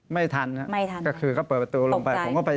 อย่างนั้นเปิดประตูลงไป